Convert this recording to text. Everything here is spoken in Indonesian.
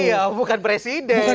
iya bukan presiden